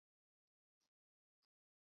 覆辙可复蹈耶？